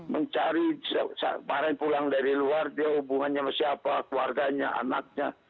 mencari barang pulang dari luar dia hubungannya sama siapa keluarganya anaknya